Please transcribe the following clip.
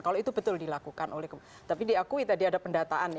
kalau itu betul dilakukan oleh tapi diakui tadi ada pendataan